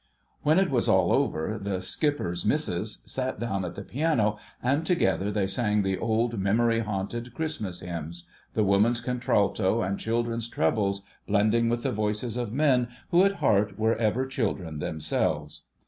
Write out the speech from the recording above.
When it was all over, the "Skipper's Missus" sat down at the piano, and together they sang the old, memory haunted Christmas hymns, the woman's contralto and children's trebles blending with the voices of men who at heart were ever children themselves.